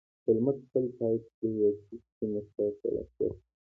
هولمز خپل پایپ د یوې سستې موسکا سره پورته کړ